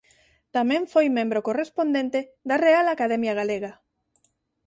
Tamén foi membro correspondente da Real Academia Galega.